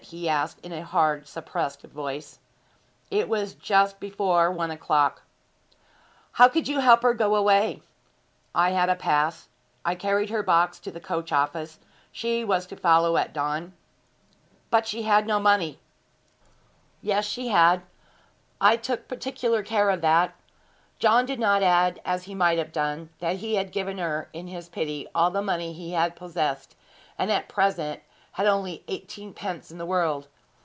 he asked in a hard, suppressed voice. 'It was just before one o'clock.' 'How could you help her to go away?' 'I had a pass. I carried her box to the coach office. She was to follow at dawn.' 'But she had no money.' 'Yes, she had; I took particular care of that.' John did not add, as he might have done, that he had given her, in his pity, all the money he possessed, and at present had only eighteen pence in the world.